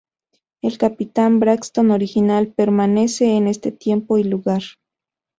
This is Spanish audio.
El capitán Braxton original, permanece en este tiempo y lugar.